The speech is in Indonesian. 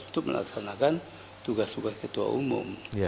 untuk melaksanakan tugas tugas ketua umum